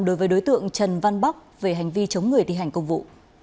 đối với đối tượng trần văn bắc về hành vi chống người thi hành công vụ